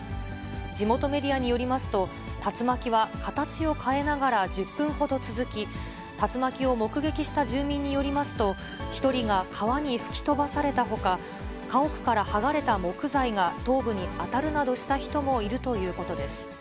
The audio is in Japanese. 地元メディアによりますと、竜巻は形を変えながら１０分ほど続き、竜巻を目撃した住民によりますと、１人が川に吹き飛ばされたほか、家屋から剥がれた木材が頭部に当たるなどした人もいるということです。